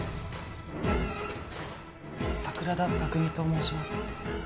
桜田卓海と申します。